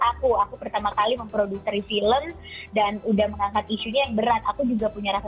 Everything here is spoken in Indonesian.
aku aku pertama kali memproduceri film dan udah mengangkat isunya yang berat aku juga punya rasa